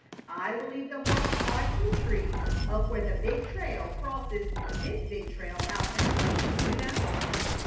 I will leave the horse tied to a tree up where the big trail crosses this big trail out that way. You know?"